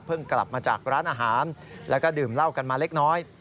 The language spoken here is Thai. กลับมาจากร้านอาหารแล้วก็ดื่มเหล้ากันมาเล็กน้อย